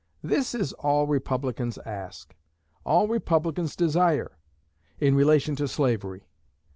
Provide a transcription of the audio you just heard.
This is all Republicans ask all Republicans desire in relation to slavery.